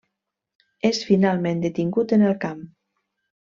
És finalment detingut en el camp.